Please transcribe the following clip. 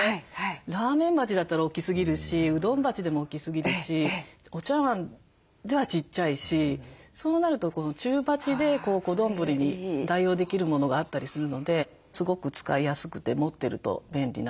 ラーメン鉢だったら大きすぎるしうどん鉢でも大きすぎるしお茶わんではちっちゃいしそうなるとこの中鉢で小丼に代用できるものがあったりするのですごく使いやすくて持ってると便利な。